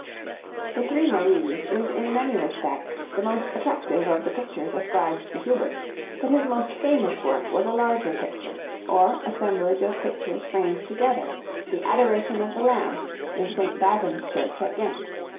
The 'Three Maries' is in many respects the most attractive of the pictures ascribed to Hubert, but his most famous work was a larger picture, or assemblage of pictures framed together, the 'Adoration of the Lamb,' in St. Bavon's Church at Ghent.